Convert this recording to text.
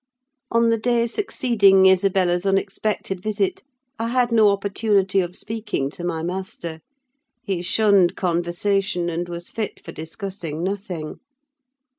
On the day succeeding Isabella's unexpected visit I had no opportunity of speaking to my master: he shunned conversation, and was fit for discussing nothing.